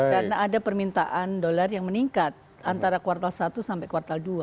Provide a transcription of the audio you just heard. karena ada permintaan dolar yang meningkat antara kuartal satu sampai kuartal dua